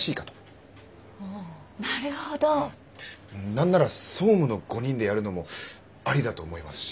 何なら総務の５人でやるのもありだと思いますし。